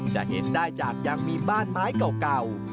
จะเห็นได้จากยังมีบ้านไม้เก่า